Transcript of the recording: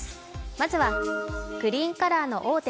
まずはグリーンカラーの大手